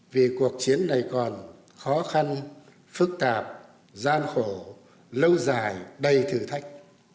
vì cuộc chiến này còn khó khăn phức tạp gian khổ lâu dài đầy thử thách